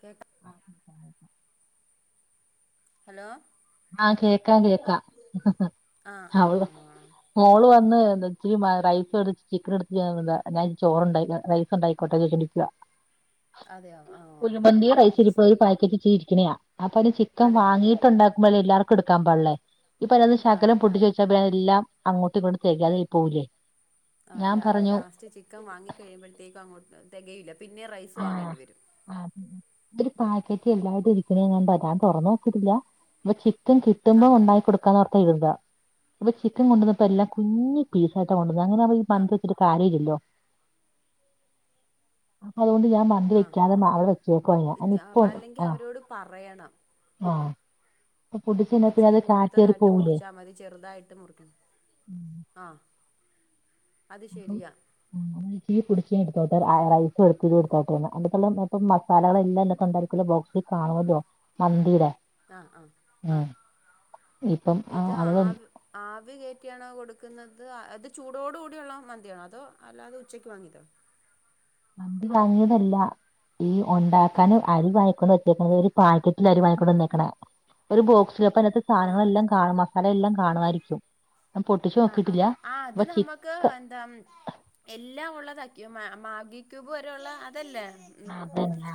കേട്ട ഹലോ ആഹ് കേക്കാ കേക്കാഹ് ഹ് ഹ് അ ആഹ് ആഹ് മോള് വന്ന് ന്തച്ച റൈസ് എടുത്ത ചിക്കനെ ടത്ത് [unintelligible] ചോറ്ണ്ടനു റൈസ് ഉണ്ടായിക്കോട്ടെ ചോയിച്ചിനിക്കുവാ അതെയോ ആഹ് കുഴിമന്തി റൈസ് ഇന്ന് സ് ഇരിപ്പ് ഒരു പാക്കറ്റ് ഇച്ചിരി ഇരിക്കണയാ അപ്പൊ അ ചിക്കൻ അതെയോ വാങ്ങിയിട്ടുണ്ടാക്ക [unintelligible] എല്ലർക്കു എടക്കാ പാടുള്ളെ ഇപ്പത ആഹ് ശകലം പൊട്ടിച്ച [unintelligible] എല്ലാം അങ്ങോട്ടു ഇങ്ങോട്ട് തേകയാതായി പോകുലെ ആഹ് ലാ ലാസ്റ്റ് ചിക്കൻ വാങ്ങി കഴിയുമ്പോഴത്തേക്കു അങ്ങോ തെകയില്ല പിന്നെം റൈസ് ആഹ് വാങ്ങേണ്ടി വരും ഒരു പാക്കറ്റ് എല്ലാരു ഇരിക്കണണ്ട് ഞാ തൊറന്നൊക്കിട്ടില്ല ചിക്കൻ കിട്ടുമ്പോ ആഹ് ഇണ്ടായി കൊടുക്കാൻഓർത്തെഇരുന്നതാ ഇപ്പൊ ചിക്ക കൊണ്ടുവന്നപ്പോ എല്ലാം കുഞ്ഞി പീസായിട്ട കൊണ്ടെന്ന അങ്ങനെ അവുമ്പോ ആഹ് [unintelligible] വെച്ചിട്ട് കാര്യല്ലല്ലോ അതോണ്ട് ഞാൻ മന്തി ആഹ് വെക്കാതെ മാവ് വെച്ചേക്കയാ ഇറ്റ് [unintelligible] അല്ലെങ്കിൽ ആഹ് അവരോട് പറയണം ആഹ് ഇപ്പൊ പൊടിച്ചഴിഞ്ഞാ പിന്നെ ഇച്ചിരി അത് കാറ്റേറി മുഴുത്തതായിട്ട് പോവൂലേ മുറിച്ചാ മതി ചെറുതായിട്ട് മുറിക്ക ആഹ് അത് ശരിയാ തീ പുടിച്ച് എടുത്തോട്ടെ ആ റൈസ് [unintelligible] എടുത്തോട്ടേന്ന് അന്റെത്തുള്ള ഇപ്പം മസാലകള് എല്ലാം അതിന്റകത്തു ഉണ്ടായിരിക്കുള്ള ബോക്സ് [unintelligible] മന്തീടെ ആഹ് ആഹ് ആഹ് ഇപ്പം ആ, ഇത് അവള് ആവി ആവി കേറ്റിയാണോ കൊടുക്കുന്നത് അത് ചൂടോടു കൂടിയുള്ള മന്തിയാണോ അതോ അല്ലാതെ ഉച്ചയ്ക്ക് വാങ്ങിയതോ. മന്തി വാങ്ങിയതല്ല ഈ ആഹ് ഒണ്ടാക്കാന് അരി വാങ്ങിക്കൊണ്ട്ക്കണ ഒരു പാക്കറ്റിൽ അരി വാങ്ങിക്കൊണ്ടന്നേക്കണ ഒരു ബോക്സ് ചിലപ്പോ അതിനത്തെ ആഹ് സാധനങ്ങളെല്ലാം കാണു മസാല എല്ലാം കാണുആയിരിക്കും. ഞാ പൊട്ടിച്ചു നോക്കിട്ടില്ല കി ക്ക് എന്താ എല്ലാം ഉള്ളതാക്കി മാഗി ക്യൂബ് വരെയുള്ള അതല്ലേ ഉം. അതന്നെ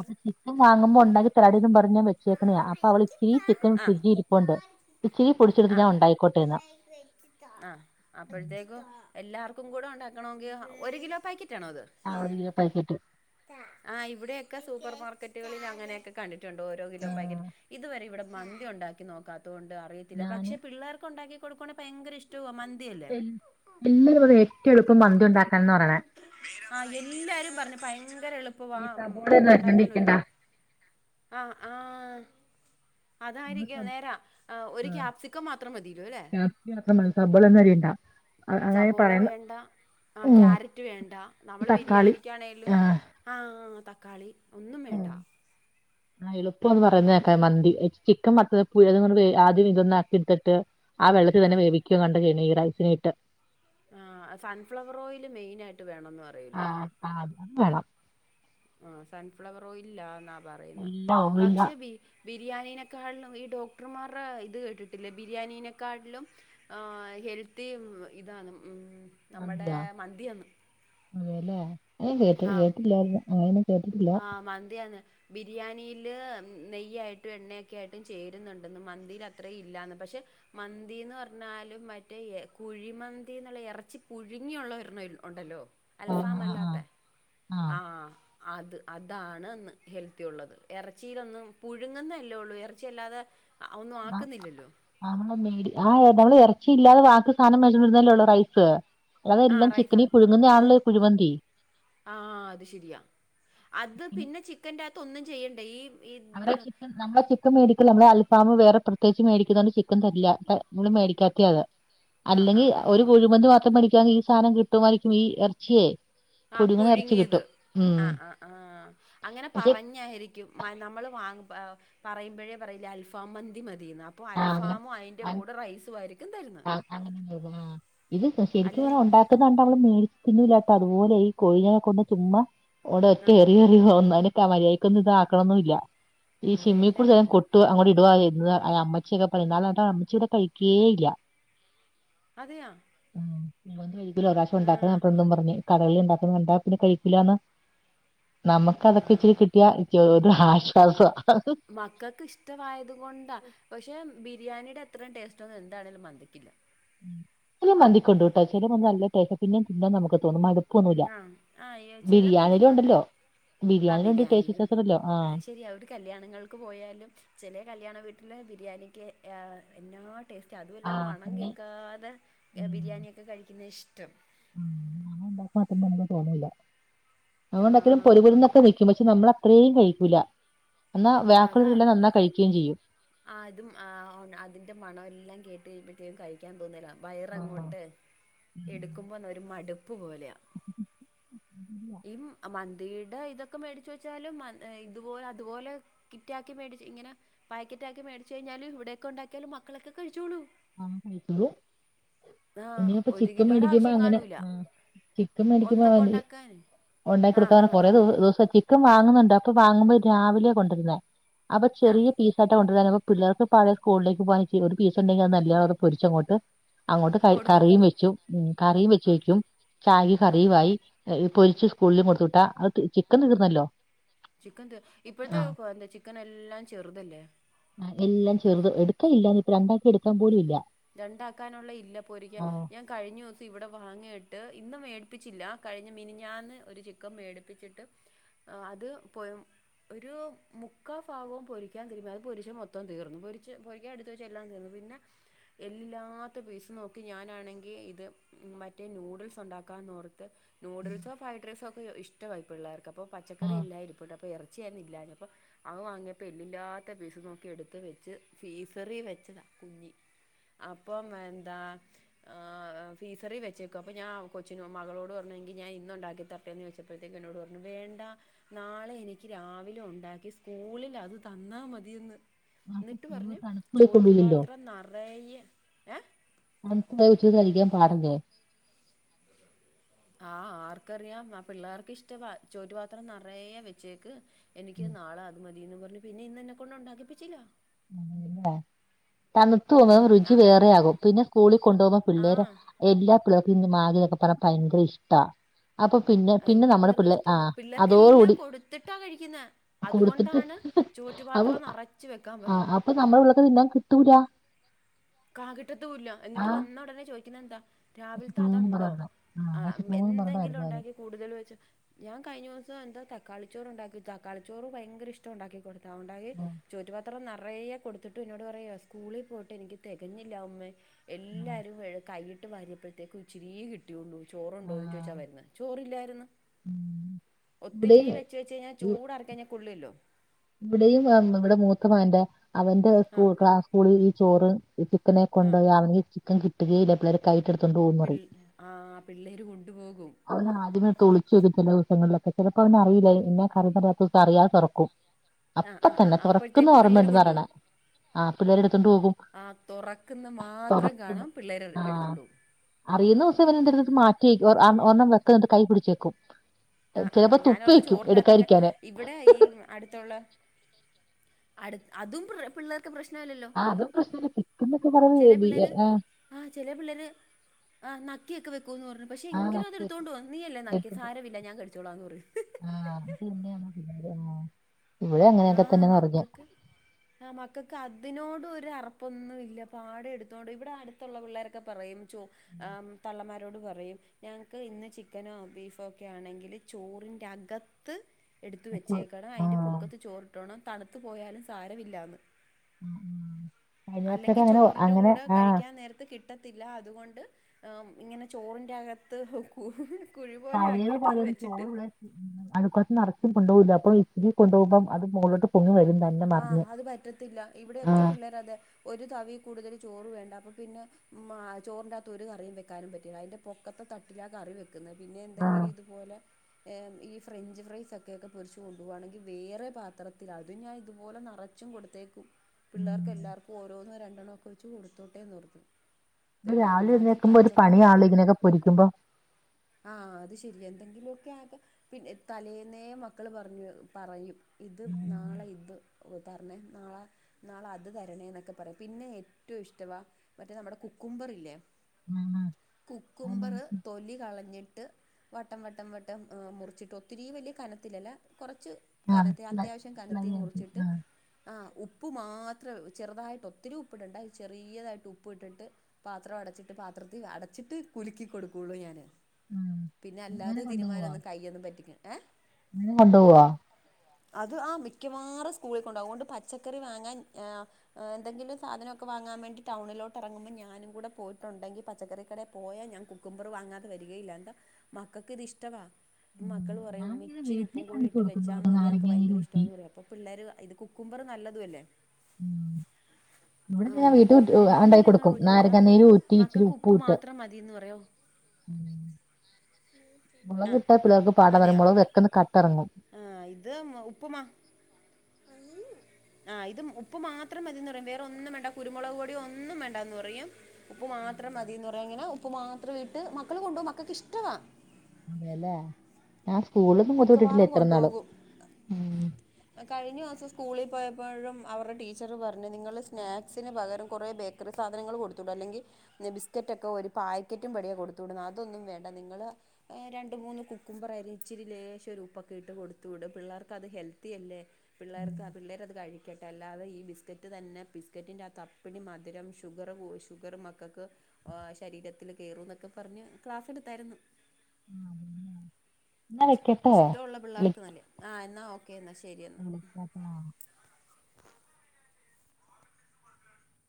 അപ്പൊ ചിക്കൻ വാങ്ങുമ്പോ ഒണ്ടാക്കി തരാടീന്നും പറഞ്ഞ വെച്ച ച്ചേക്കണയാ അപ്പ അവള് ച്ചി ചിക്കൻ ആ ഫ്രിജിരിപ്പൊണ്ട് ച്ചി പൊടിച്ചെടുത്ത് ഞാൻ ഉണ്ടായി ആഹ് അപ്പോഴത്തേക്കും, എല്ലാർക്കുംകൂടെ ഉണ്ടാക്കണൊങ്കിൽ ഒരു കിലോ- പാക്കറ്റാണോ അത്. ആഹ് ഒരു കിലോപേക്കറ്റ് ആഹാ ഇവിടെയൊക്കെ സൂപ്പർ- മാർക്കറ്റുകളിൽ അങ്ങനെ യൊക്കെ. കണ്ടിട്ടുണ്ട് ഓരോ കിലോ ആ പാക്കറ്റ് ഇതുവരെ ഇവിടെ മന്തി ഒണ്ടാക്കി നോക്കാത്തോണ്ട്, അറിയത്തില്ല ഞാന് പക്ഷെ പിള്ളേർക്ക് ഒണ്ടാക്കി കൊടുക്കവാണെല് ഭയങ്കരഇഷ്ടുവാ മന്തിയ എല്ല് എല്ലാരും പറയും ഏറ്റും എളുപ്പം മന്തി ഉണ്ടാക്കാൻ ന്ന് പറിണെ ആഹാ യെല്ലാരും പറഞ്ഞു ഭയങ്കര എള്പ്പാന്ന്. ഈ പ്പവ മന്തി സബോളയൊന്നും ഉണ്ടാക്കനൊരു അരിഞ്ഞോണ്ടിരിക്കണ്ട ആ ആഹ് നമ്മള് അതായിരിക്കും സബ് നേരാ ഒരു ആ, ക്യാപ്സിക്കം മാത്രം മതില്ലോല്ലേ? ക്യാപ്സിക്കം മാത്രം മതി സബോളയൊന്നും അരിയണ്ട അ- അങ്ങനെ സബോള പറയുന്ന വേണ്ട ആഹ് ഉം ക്യാരറ്റ് വേണ്ട നമ്മള് തക്കാളി ബിരിയാണിക്കാണേലും ആ ആഹാ തക്കാളി ഒന്നുംവേണ്ട. ആഹാ എളുപ്പാന്ന് പറയുന്നെക്കാ മന്തി. ചിക്കൻ മറ്റെ പുഴി [unintelligible] ആദ്യം ഇതൊന്നാക്കിട്ത്തിട്ട് ആ വെള്ളത്തിൽ തന്നെ ആഹ് വേവി കണ്ട് കഴിഞ്ഞ ഈ റയ്സിന് കിട്ട ആഹ് സൺഫ്ലവർ ഓയില് മെയ്നായിട്ട് വേണന്ന് പറയല്ലോ ആഹാ അതും വേണം. ആഹാ സൺഫ്ലവർ ഓയിലിലാന്നാ പറയുന്നെ ഇല്ല ഓവില്ല പക്ഷേ ബി- ബിരിയാണീനേക്കാളും ഈ ഡോക്ടർമാര്‌ടെ ഇത് കേട്ടിട്ടില്ലേ ബിരിയാണിനെക്കാട്ട്ലും ആഹ് ഹെൽത്തിയും ഇതാണ് ഉം നമ്മടെ മന്തിയാ മന്തിയൊന്ന് അതെല്ലേ, അഞാൻ കേട്ടില്ല അയ്‌ന്. ആഹാ മന്തിയാണ്. ബിരിയാണിയില് നെയ്യായിട്ടും, എണ്ണയൊക്കെ ആയിട്ടും- ചേരുന്നുണ്ടെന്ന് മന്തിയില് അത്രേം ഇല്ലന്ന് പക്ഷെ. മന്തിന്ന് പർഞ്ഞാലും മറ്റേ യ്യേ കുഴിമന്തി ന്ന്ള്ള എറച്ചി പുഴുങ്ങിയുള്ളൊരണം ഒണ്ടല്ലോ ആഹ് ആഹ് അൽഫാമല്ലാത്തെ ആഹ് അത് അതാണ്ന്ന് ഹെൽത്തിയുള്ളത്, എറച്ചിയിലൊന്നും പുഴുങ്ങുന്നല്ലേള്ളു എറച്ചി അല്ലാതെ, ഒന്നും ആക്കുന്നില്ലല്ലോ? ആന്നടി ആഹാ നമ്മള് എറച്ചി- ഇല്ലാതെ ബാക്കി സാനം മേടിരുന്നല്ലേള്ളു റൈസ്. ആ അതെല്ലാം റൈസാ ചിക്കനീ പുഴുങ്ങുന്നയാണല്ലേ ഈ കുഴിമന്തി ആഹ് അത് ശരിയാ അത് പിന്നെ ചിക്കന്റാത്ത് ഒന്നും ചെയ്യെണ്ടേ ഈ അവടെ ചിക്കൻ നമ്മൾ ചിക്കൻ മേടിക്കില്ല നമ്മള് അൽഫാം വേറെ പ്രത്യേകിച്ച് മേടിക്കുന്നൊണ്ട് ചിക്കൻ തരില്ല നമ്മള് മേടിക്കാത്ത്യാ അത [inaudible] അല്ലെങ്കി ആ ആ. ഒരു കുഴിമന്തി മാത്രം മേടിക്കാന്നെങ്കി ഈ സാനം കിട്ടുമായിരിക്കും ഈ എറച്ചിയെ ആഹാ പുഴുങ്ങിയത് ആഹാ ആഹാ അങ്ങനെ പക്ഷെ പറഞ്ഞായിരിക്കും. ക്യും നമ്മള് വാങ്ങുബൊ പറയുമ്പഴേ പറയൂലെ അൽഫാമ്മന്തി മതീന്ന് അപ്പോ ആ അൽഫാമും അയിന്റെ- അങ്ങനെ കൂടെ റൈസു ആയിരിക്കും തരുന്നെ. ആ അങ്ങനെ അല്ലെങ്കിൽ, ക്ക്ന്നണ്ട നമ്മള് മേടിച്ച് തിന്നൂല്ലാട്ടാ അതുപോലെ ഈ കോഴിനെ കൊണ്ട് ചുമ്മ അട് ഒറ്റ ആ എറിയ ഒന്ന മര്യാദക്കൊന്നും ഇതാക്കണന്നുല്ല ഈ അതെയല്ലേ ശിമ്മികുറിച്ചെ കൊ ട്ടു അങ്ങോട്ട് ഇടുവാചെയ്യുന്നേ, അമ്മച്ചിക്കെ പറയാ അമ്മച്ചീടെ കഴിക്കേയില്യാ. അതെയോ? ഉം ഇവിടന്ന് കയ്ക്കൂല- ഒരാശംണ്ടാക്കണം പറഞ്ഞിട്ടുണ്ടെന്നും പറഞ്ഞു. കടകളിൽ ഇണ്ടാക്കുന്ന പറഞ്ഞിട്ട് പിന്നെ കഴിക്കില്ലന്ന്. നമുക്ക് ആ അതൊക്കെ ഇച്ചിരി കിട്ടിയ. ഒരാശ്വാസം ആഹാ ആഹാ.. ! മക്കൾക്ക് ഇഷ്ടവായതുകൊണ്ടാ പക്ഷേ ബിരിയാണിടെ അത്രേം ടേസ്റ്റൊന്നും എന്താണെലും മന്തിക്കില്ല ചില മന്തികൊണ്ടൂട്ടാ, ചില മന്തി നല്ല- ടെസ്റ്റാ പിന്നെ തിന്നാൻ നമുക്ക് തോന്നും മട്- ആഹാ ആഹാ ചെല മന്തിക്കൊണ്ട്. ഉണ്ടല്ലോ ആ ബിരിയാണിയിലും ഉണ്ട് ടേസ്റ്റ് ബിരിയാണിലും വ്യത്യാസം ഉണ്ടല്ലോ ആഹ് അത് ശരിയാ ഒര് കല്ല്യാണങ്ങൾക്ക് പോയാലും, ചില കല്യാണ വീട്ടിലബിരിയാണിക്ക് ഹാ ഞങ്ങൾ, ടേസ്റ്റാ അതുവല്ല, ആഹ് മണം പിന്നെ കേൾക്കാതെ ഉം ബിരിയാണിയൊക്കെ കഴിക്കുന്നെ ഇഷ്ടം. [unintelligible] തോന്നൂല്ല അത്ണ്ടെങ്കിലും ആഹ് പൊതിമരുന്നൊക്കെ വെക്കേ മ്മച്ചി നമ്മളെ അത്രയും കഴിക്കൂല്ല, എന്നാ അതാ വാകുള്ളവർള്ളരെല്ലാം തന്നാ കഴിക്കുകയും ചെയ്യും, ആഹ് അതും ആ അതിന്റെ മണം എല്ലാം കേട്ട് കഴിമ്പേ ക്ക് കഴിക്ക്യാൻ തോന്നേല ആഹ് വയറങ്ങോട്ട് എടുക്കുമ്പോന്ന ഒരു മടുപ്പ് പോലെയ. ഇം മ ഇടെ ഇതൊക്കെ മേടിച്ച വെച്ചാലും മ ഇതുപോലെ അതുപോലെ കിറ്റാക്കി മേടിച്ച് ഇങ്ങനെ പാക്കറ്റ് ആക്കി മേടിച്ച് കഴിഞ്ഞാല് ഇവിയൊക്കെ ഉണ്ടാക്കിയാലും മക്കളൊക്കെ കഴിച്ചോളൂ ആഹ് കഴിച്ചോളൂ ആ ഇനിയിപ്പ ഒരു ചിക്കം കിലോയുടെ മേടിക്കുമ്പൊ ആവശ്യം അങ്ങനെ കാണൂല ആഹ്. ചിക്കം മേടിക്കു ഒന്നൊക്കെ [unintelligible] ഉണ്ടാക്കാൻ ഒണ്ടാക്കി ആ കൊടുക്കാർ ആ കൊറെ ആ ദി ദിവ്സത്തി ക്കം വാങ്ങുന്നുണ്ട് അപ്പൊ വാങ്ങുമ്പോ രാവിലെ കൊണ്ടര്നെ അപ്പ ആ ചെറിയ. പീസാട്ട് കൊണ്ടരാ ന്നപ്പ പിള്ളേർക്ക് പഴയ സ്കൂളിലേക്ക് പോവാന് ചി ഒരു പീസുണ്ടെങ്കിൽ അത് നല്ലയ അത് പൊരിച്ചങ്ങോട്ട് അങ്ങോട്ട് ക കൊടുക്കും കറിയും വെച്ചും ഉം കറിയും വെച്ച ആ കഴിക്കും, ചായ ആ കറിയുമായി പൊരിച്ച് സ്കൂളിൽ കൊടുത്ത് വിട്ടാ അത് ചിക്കൻ തീർന്നല്ലോ ചിക്കൻ ത ഇപ്പഴ്ത്തെ ആഹ് അ എന്താ ചിക്കനെല്ലാം ചെറുതല്ലേ. ആ എല്ല ചെറുത് എടുക്ക ഇല്ലാ ഞ്പ്പ രണ്ടാക്കി എടുക്കാൻ പോലും ഇല്ല. രണ്ടാക്കാനുള്ള ഇല്ല പോരിക്ക ആഹ് ഞാൻ. കഴിഞ്ഞ ദിവസം ഇവിടെ വാങ്ങിയിട്ട് ഇന്ന് മേടിപ്പിച്ചില്ല കഴിഞ്ഞ മിനിഞാന്ന് ഒരു ചിക്കൻ മേടിപ്പിച്ചിട്ട് ആ അത് പോയം ഒരു മുക്കാ ഭാഗവും പൊരിക്കാൻ തിരുമി അത് പൊരിച്ച മൊത്തം തീർന്നു പൊരിച്ച് പൊരിക്കാ എടു ഇത് ചെല്ലാം തരും പിന്നെ എല്ലില്ലാത്ത പീസ് നോക്കി ഞാനാണെങ്കി ഇത് മറ്റേ നൂഡിൽസ് ഉണ്ടാക്കാന്ന് ഓർത്ത് ന്യൂഡിൽസോ ഫ്രൈഡ് റൈസോ ഒക്കെ ഇഷ്ടവാ പ്പിള്ളേർക്ക് അപ്പോൾ പച്ചക്കറി ആഹ് എല്ലാം ഇരിപ്പിട്ട് അപ്പോൾ ഇറച്ചിയായിരുന്നു ഇല്ലാഞ്ഞപ്പോ അത് വാങ്ങിയപ്പോ എല്ലില്ലാത്ത പീസ് നോക്കി എടുത്ത് വെച്ച് ഫീസറി വെച്ചതാ കുഞ്ഞി അപ്പം എന്താ? ആഹ് ഫീസറി വെച്ചേക്ക അപ്പ ഞാ കൊച്ചിന് മകളോട് പറഞ്ഞെ എങ്കിൽ ഞാൻ ഇന്ന് ഉണ്ടാക്കിത്ത എന്ന് ചോയ്ച്ചപ്പോഴത്തേക്കും എന്നോട് പറഞ്ഞു വേണ്ട നാളെ എനിക്ക് രാവിലെ ഉണ്ടാക്കി സ്കൂളിലത് തന്നാ മതിയെന്ന്. ന്നിട്ട് പർഞ് തണുപ്പ് കൊള്ളൂലല്ലോ ചോറ്റുപാത്രം ന്നറയെ ഏഹ്. അൽക്ക് അഅ് ഉച്ചക്ക് കഴിക്കാൻ പാടില്ലേ ആ ആർക്കറിയാം ആ പിള്ളേർക്ക് ഇഷ്ടവാ ചോറ്റുപാത്രം നിറയ വെച്ചേക്ക് എനിക്ക് നാളെ അത് മതിന്നും പർഞ് പിന്നെ ഇന്ന് എന്നെ കൊണ്ട് ഉണ്ടാക്കിപ്പിച്ചില്ല. ല്ലെ തണുത്തു പോ ആ റുചി ഞാൻ പറഞ്ഞു വേറെയാകും പിന്നെ സ്കൂളി കൊണ്ടോമ്പോ പിള്ളേര് ആ എല്ലാ പിള്ളേർക്കും ഇന്ന് മാഗിഒക്കെ പറാ ഭയങ്കര ഇഷ്ടാ. അപ്പൊ പിന്നെ പിന്നെ എല്ലാ നമ്മുടെ പിള്ളേർക്കും പിള്ളേ ഇഷ്ടവാ ആഹ് പിള്ളേർക്കെല്ലാം അതോടുകൂടി കൊടുത്തിട്ടാ കഴിക്കുന്ന കൊടുത്തിട്ട് അതുകൊണ്ടാണ് അപ്പൊ ചോറ്റുപാത്രം നറച്ച് വെക്കാൻ ആ, പറയുന്നത്. അപ്പൊ നമ്മളെ തൊള്ളക്ക് തിന്നാൻ കിട്ടൂലാ കകിട്ടത്തൂല്ല എന്നിട്ട് ആഹ് വന്നാ ഉടനെ ചോദിക്കുന്നത് എന്താ? മൂന്ന് രാവിൽത്തതണ്ടോ പേരുണ്ട് അ ആ പക്ഷെ മൂന്ന് എന്തെങ്കിലും പേരുണ്ടായിരുന്നു ആരും ഉണ്ടാക്കി. കൂടുതൽ വെച്ച് ഞാൻ കഴിഞ്ഞീസം എന്താ തക്കാളിചോറ് ഉണ്ടാക്കി തക്കാളിച്ചോറ് ഭയങ്കര ഇഷ്ട ഉണ്ടാക്കി കൊടുക്കു ടവുണ്ടായെ ഉം, ചോറ്റുപാത്രം നെറയെ കൊടുത്തിട്ട് എന്നോട് പറയ സ്കൂളി പോയിട്ട് എനിക്ക് തി തികഞ്ഞില്ലാ ഉമ്മേ ഉം, എല്ലാവരും കൈയിട്ട് വരിയപ്പോഴത്തേക്കും ഇച്ചിരിയേ കിട്ടിയൊള്ളു ആ, ചോറുണ്ടോന്ന് ചോദിച്ചാ വരുന്ന ചോറില്ലായിരുന്നു ഉം. ഒത്തിരി ഇവിടെയും വെച്ച വെച്ച് കഴിഞ്ഞാൽ ഇ- ചൂടാറിക്കയ്ഞ്ഞാ കൊള്ളല്ലോ. ഇവിടെയും അ ഇമ്മ വടെ മൂത്തമകന്റെ അവന്റെ സ്കൂ ആഹ് ക്ലാ സ്കൂള് ഈ ചോറ്. ചിക്കനെ ആഹ് കൊണ്ടോയി അവന് ചിക്കൻ കിട്ടി തിരീല്ല പിള്ളേര് കൈ ഇട്ടെടുത്തോണ്ട് ഓവുന്ന് പിൾ പറയും. ആഹ് പിള്ളേര് കൊണ്ടുപോകും അവന് ആദ്യമേ തൊലിച്ചു വക്കും ചില ദിവസങ്ങളിലൊക്കെ ചിലപ്പോ അവന അറിയില്ല ഇന്നെ കറി [unintelligible] അറിയാതെ തുറക്കും ആഹ് അപ്പ ആഹ് തന്നെ ആഹ് തുറക്കുന്നു അപ്പോഴത്തേക്കും പിള്ളേര് ഓർമ്മണ്ടന്ന്റയണേ കൊണ്ടുപോകും ആഹ് പിള്ളേരെടുത്തോണ്ട് പോകും ആഹ് തുറക്കുന്ന മാത്രം തുറക്കന്ന് കാണാം പിള്ളേര് ആഹ്. എടുത്തോണ്ട് പോകും അറിയുന്ന ദിവസം വരെ എത് മാറ്റി വെക്കു കൈ പിടിച്ചേക്കും ചിലപ്പോ തുപ്പിവെക്കും എടുക്കാതി രിക്കാന് വിടെ ഈ അടുത്തുള്ള അട് അതും പിള്ളേർ ഇക് പ്രശ്നല്ലല്ലോ ആ അതും പ്രശ്ന [unintelligible] ആ ചെലപിള്ളേര് ആ നക്കിയൊക്കെ വെക്കൂന്ന് പറ ക്ഷെ ആഹ് എങ്കിലും മനസ്സിലായി അതടുത്തൊണ്ട് വന്ന് നീ അല്ലേ നക്കിയെ സാരല്ല ഞാൻ കഴിച്ചോളാ എന്ന് പറയും. ആ [unintelligible] ഇവിടെ അങ്ങനെയൊക്കെതന്നെ [unintelligible] ആ മക്കൾക്ക് അതിനോട് ഒരു അറപ്പൊന്നുംല്ല പാടെ എടുത്തോണ്ട് ഇവിടെ അടുത്തുള്ള പിള്ളേരൊക്കെ പറയും. ആം തള്ളമാരോട് പറയും ഞങ്ങക്ക് ഇന്ന് ചിക്കനോ ബീഫോ ഒക്കെ ആണെങ്കിൽ ചോറിൻ്റെ അകത്ത് എടുത്തവെച്ചേക്കണം അയിന്റെ ആഹ് പുക്കത്ത് ചോറിട്ടോണം തണുത്തു പോയാലും സാരമില്ലാന്ന്. ഉം ഉം കഴിഞ്ഞ വർഷൊക്കെ അല്ലെങ്കി അങ്ങനെ ചോറിന്റെ അങ്ങനെ കൂടെ ആഹ് കഴിക്കാൻ നേരത്ത് കി റ്റത്തില്ല അതുകൊണ്ട് ഇങ്ങനെ ചോറിന്റെ അക ത്ത് കുഴി പോലെ ആക്കിയിട്ട് അത് വെച്ചിട്ട് [unintelligible] നിറച്ചു കൊണ്ടോവല്ലോ അപ്പൊ ഇച്ചിരി കൊണ്ടോവുമ്പം അത് മുകളോട്ട് പൊങ്ങി വരുന്ന ആ അത് പറ്റത്തില്ല ഇവിടെക്കെ പിള്ളേർ അതെ ഒരു തവി കൂടുതൽ ചോറ് വേണ്ട അപ്പൊപിന്നെ ചോറി്ന്റകത്ത് ഒരു കറിയും വെക്കാനും പറ്റല്ല അതിൻ്റെ പൊ പക്കത്തെ തട്ടിലാ കറി വെക്കുന്നത് പിന്നെ ആഹ് എന്തെങ്കിലും ഇതുപോലെ ഈ ഫ്രഞ്ച് ഫ്രൈസക്കെക്കെ പൊരിച്ച് കൊണ്ടുപോവാണെങ്കി വേറെ പാത്രത്തിൽ അതും ഞാൻ അതുപോലെ നിറച്ചും കൊടുത്തേക്കും പിള്ളേർക്ക് ഉം എല്ലാർക്കും ഓരോന്നോ രണ്ടെണ്ണം ഒക്കെ വെച്ച് കൊടുത്തോട്ടെന്ന് ഓർത്ത് ന രാവിലെഴ്‌ന്നേക്കുമ്പോ ഒരു പണിയ ഇതിനൊകെപിടികുമ്പോ ആ അത് ശരി എന്തെങ്കിലൊക്കെ ആകെ പി തലേന്നേ മക്കൾ പറഞ്ഞു പറയും ഇത് ഉം നാളെ ഇത് തരണേ നാളെ നാളെ അത് തരണേ എന്നൊക്കെ പറയാം പിന്നെ ഏറ്റവും ഇഷ്ടവാ മറ്റേ നമ്മടെ കുക്കുംമ്പർ ഇല്ലേ ഉം ഉം. അതന്നെ കുക്കുമ്പർ തൊലി കളഞ്ഞിട്ട് വട്ടം വട്ടം വട്ടം മുറിച്ചിട്ട് ഒത്തിരി വലിയ കനത്തിലല്ല കുറച്ച് ആഹ് കനത്തി ഫ്ലൈ അത്യാവശ്യം ഫ്ലൈ കനത്തി ആയിട്ട് മുറിച്ചിട്ട് ആഹ് ആ ഉപ്പ് മാത്രം ചെറുതായിട്ട് ഒത്തിരി ഉപ്പ് ഇടണ്ട അത് ചെറിയതായിട്ട് ഉപ്പ് ഇട്ടിട്ട് പാത്രം അടച്ചിട്ട് പാത്രത്തിൽ അടച്ചിട്ട് കുലുക്കി കൊടുക്കുള്ളൂ ഞാന് ഉം പിന്നെ അല്ലാതെ അങ്ങനെ തീരുമാനം ന്ന് കയ്യൊന്ന് പറ്റിക്കണം ഏ ങ്ങനെ കൊണ്ടോവോ അത് ആ മിക്കവാറും സ്കൂളിൽകൊണ്ടോവും അതുകൊണ്ട് പച്ചക്കറി വാങ്ങാൻ ആ എന്തെങ്കിലും സാധനൊക്കെ വാങ്ങാൻ വേണ്ടി ടൗണിലോട്ട് ഇറങ്ങുമ്പോ ഞാനും കൂടെ പോയിട്ടുണ്ടെങ്കിൽ പച്ചക്കറകടേ പോയാൽ ഞാ കു കുക്കുമ്പർ വാങ്ങാതെ വരികയില്ല എന്താ മക്കൾക്ക് ഇത് ഇഷ്ടവാ ഉം മക്കൾ പറയും ഞാൻ ഉമ്മീ ഇങ്ങനെ ഇച്ചരി വീട്ടിൽ കണ്ടിച്ചു ഉപ്പുംകൂടിട്ട് കൊടുക്കുമ്പോഴൊക്കെ വെച്ചാമതിഞങ്ങക്ക് നാരങ്ങ നീര് ഭയങ്ക ഇഷ്ട ഊറ്റി എന്നറയും അപ്പോൾ പിള്ളേർ ഇത് കുക്കുംബർ നല്ലതുഅല്ലേ. ഉം ഇവിടെ ആ ഞാൻ ഇത് വീട്ടിൽ ഊറ്റി ഉ- ഉണ്ടാക്കി നാരങ്ങാനീര് അങ്ങനെ കൊടുക്കും പറ്റൂല നാരങ്ങാനീര് ഊറ്റി മക്കൾക്ക് ഉപ്പ് മാത്രം മതിന്ന് പറയും. ഉ ആ മുളകിട്ടാ പിള്ളേർക്ക് പാടാ പറ അതെയാ മുളക് വെക്കന്ന് കട്ട ഇറങ്ങും. ആ ഇത് ഉപ്പമാ [unintelligible] ആ ഇത ഉപ്പ് മാത്രം മതിയന്ന് പറയും വേറെ ഒന്നും വേണ്ട കുരുമുളക് കൂടി ഒന്നും വേണ്ട എന്ന് പറയും. ഉപ്പ് മാത്രം മതിന്ന് പറയാ ഇങ്ങനെ ഉപ്പ് മാത്രം ഇട്ട് മക്കൾ കൊണ്ടോകും മക്കൾക്ക് ഇഷ്ടവാ. അതെയല്ലേ ഞാൻ സ്കൂളൊന്നും കൊട്ത് വിട്ടിട്ടില്ല മിക്കവാറും എത്ര നാളും കൊണ്ടുപോകും ഉ കഴിഞ്ഞ മാസം സ്കൂളിൽ പോയപ്പോഴും അവരുടെ ടീച്ചറ് പറഞ്ഞു നിങ്ങൾ സ്നാക്സിന് പകരം കുറേ ബേ [unintelligible] സാധങ്ങൾ കൊടുത്തൂടെ അല്ലെങ്കി ബിസ്കറ്റൊക്കെ ഒരു പായ്ക്കറ്റുംപടി കൊടുത് വിടുന്നു അതൊന്നും വേണ്ട നിങ്ങള് രണ്ടു മൂന്ന് കുക്കുംമ്പർ അറിഞ് ഇച്ചിരി ലേശ ഉപ്പൊക്കെട്ട് കൊടുത്തു വിട് പിള്ളേർക്ക് അത് ഹെൽത്തിയല്ലേ. പിള്ളേർക്ക് പിള്ളേർ അത് കഴിക്കട്ടെ അല്ലാതെ ഈ ബിസ്ക്കറ്റ് തന്നെ ബിസ്ക്കറ്റിന്റെറ ആത്ത് അപ്പിഠി മധുരം ഷുഗർ പോശ ഷുഗർ മക്കൾക്ക് ശരീരത്തിൽ കയറും എന്നൊക്കെ പറഞ്ഞ് ക്ലാസ്സെടുത്തായിരുന്നു. ആ അതന്നെ എന്നാ വെക്കട്ടെ ഇഷ്ടമുള്ള വിളി പിള്ളേർക്ക്ന്നല്ലേ ആ എന്നാ ഓക്കേ എന്നാ ശരിയ വിളിക്കാട്ടോ ആഹ [unintelligible]